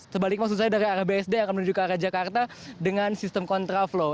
sebalik maksud saya dari arah bsd yang akan menuju ke arah jakarta dengan sistem kontraflow